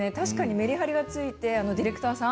メリハリがついてディレクターさん